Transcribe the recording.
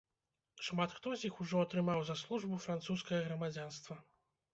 Шмат хто з іх ужо атрымаў за службу французскае грамадзянства.